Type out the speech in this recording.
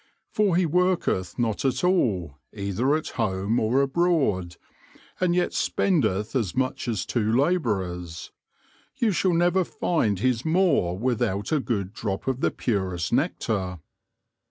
For he worketh not at all, either at home or abroad, and yet spendeth as much as two labourers : you shall never finde his maw without a good drop of the purest nectar.